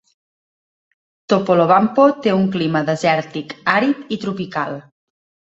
Topolobampo té un clima desèrtic, àrid i tropical.